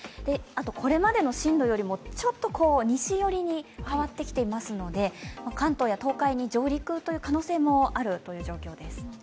これまでの進路よりも、ちょっと西寄りに変わっていますので関東や東海に上陸という可能性もあるという状況です。